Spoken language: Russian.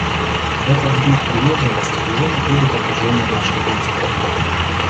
Этот дух приверженности уже находит отражение в наших действиях.